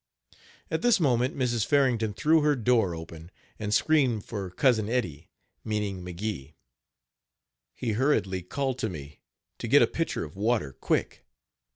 At this moment Mrs. Farrington threw her door open, and screemed for "Cousin Eddie," meaning McGee. He hurriedly called to me to get a pitcher of water quick.